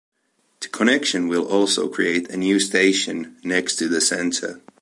The connection will also create a new station next to the center.